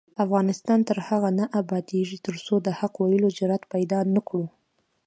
افغانستان تر هغو نه ابادیږي، ترڅو د حق ویلو جرات پیدا نکړو.